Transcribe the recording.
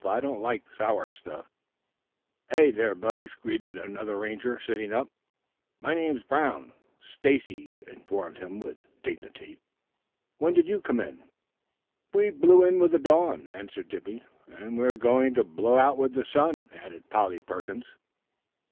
I don't like sour stuff." "Hey, there, Bugs!" greeted another Ranger sitting up. "My name's Brown," Stacy informed him with dignity. "When did you come in?" "We blew in with the dawn," answered Dippy. "And we're going to blow out with the sun," added Polly Perkins.